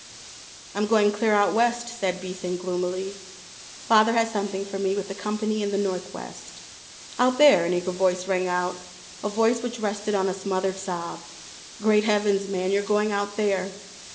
"I'm going clear out West," said Beason gloomily. "Father has something for me with a company in the Northwest." "Out there!" an eager voice rang out, a voice which rested on a smothered sob. "Great heavens, man, you're going out there?